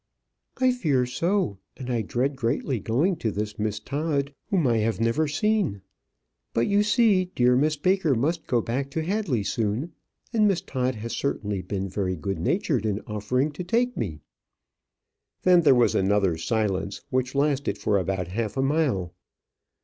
"I fear so; and I dread greatly going to this Miss Todd, whom I have never seen. But you see, dear Miss Baker must go back to Hadley soon, and Miss Todd has certainly been very good natured in offering to take me." Then there was another silence, which lasted for about half a mile.